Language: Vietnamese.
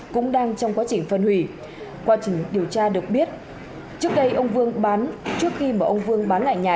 cũng đang trong quá trình phân hủy quá trình điều tra được biết trước khi ông vương bán lại nhà